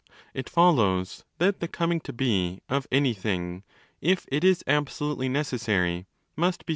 It follows that the coming to be of anything, if it is 5 absolutely necessary, must be cyclical—i.